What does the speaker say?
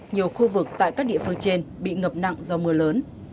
nhiều khu vực tại các địa phương trên bị ngập nặng do mưa lớn